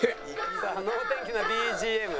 さあ能天気なＢＧＭ。